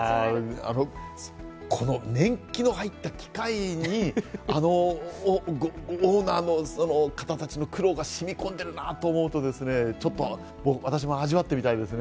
この年季の入った機械にオーナーの方たちの苦労が染み込んでいるなと思うと、私も味わってみたいですね。